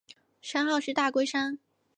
山号是大龟山。